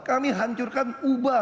kami hancurkan uba